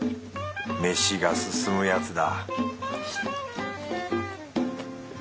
飯が進むやつだ